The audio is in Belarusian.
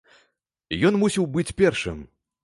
Ён мусіў быць першым.